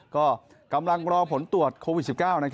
ก็กำลังรอผลตรวจโควิด๑๙